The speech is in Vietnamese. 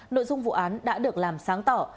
nội dung vụ án đã được làm sáng tỏ